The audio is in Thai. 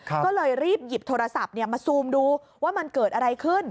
ก็เลยรีบหยิบโทรศัพท์มาซูมดูว่ามันเกิดอะไรขึ้น